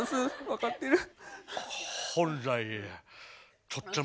分かってる。